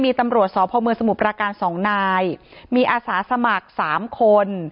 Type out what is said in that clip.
มีตำรวจสพมสมุทรประการสองนายมีอาสาสมัครสามคน